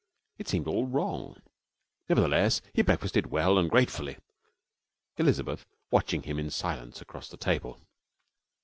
It seemed all wrong. Nevertheless, he breakfasted well and gratefully, Elizabeth watching him in silence across the table.